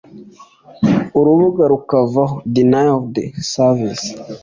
urubuga rukavaho (Denial of sevice)